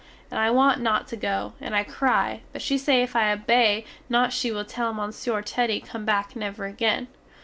And I want not to go, and I cry, but she say if I obey not she will tell Monsieur Teddy come back never again.